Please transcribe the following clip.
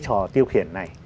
trò tiêu khiển này